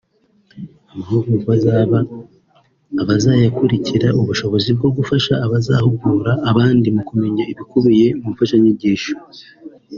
Amahugurwa azaha abazayakurikira ubushobozi bwo gufasha abazahugura abandi kumenya ibikubiye mu mfashanyigisho